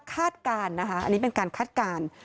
คาดการณ์นะคะอันนี้เป็นการคาดการณ์